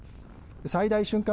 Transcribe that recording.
最大瞬間